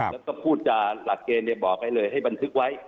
แล้วก็พูดจาหลักเกณฑ์บอกให้เลยให้บันทึกไว้